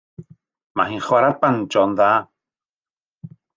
Mae hi'n chwarae'r banjo yn dda.